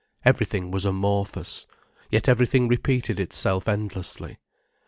Everything was amorphous, yet everything repeated itself endlessly.